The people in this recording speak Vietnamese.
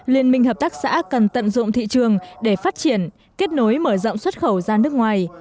liên minh hợp tác xã cần tận dụng thị trường để phát triển kết nối mở rộng xuất khẩu ra nước ngoài